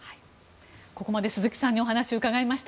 ここまで鈴木さんにお話を伺いました。